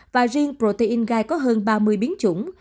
và riêng protein gai có hơn ba mươi biến chủng